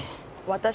私。